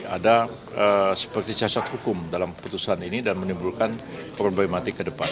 ada seperti cacat hukum dalam keputusan ini dan menimbulkan problematik ke depan